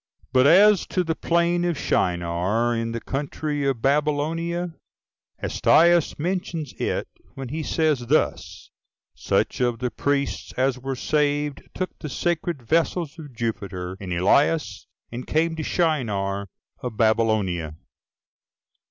But as to the plan of Shinar, in the country of Babylonia, Hestiaeus mentions it, when he says thus: "Such of the priests as were saved, took the sacred vessels of Jupiter Enyalius, and came to Shinar of Babylonia."